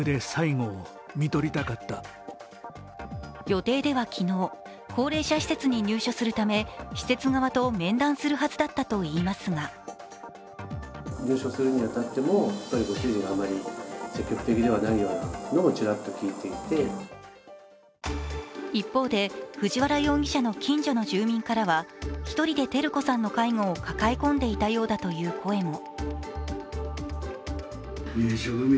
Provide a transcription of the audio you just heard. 予定では昨日、高齢者施設に入所するため施設側と面談するはずだったといいますが一方で、藤原容疑者の近所の住民からは一人で照子さんの介護を抱え込んでいたようだという声も。